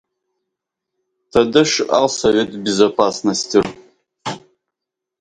Где был Совет Безопасности?